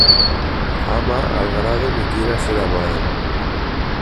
Ama al grado que quieras ser amado.